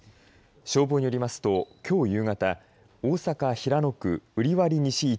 消防によりますときょう夕方大阪・平野区瓜破西１